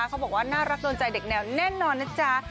เขาบอกว่าน่ารักโดนใจเด็กแนวแน่นอนนะจ๊ะ